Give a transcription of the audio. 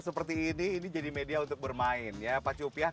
seperti ini ini jadi media untuk bermain ya pacu upiah